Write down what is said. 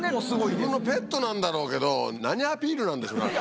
自分のペットなんだろうけど何アピールなんでしょうね？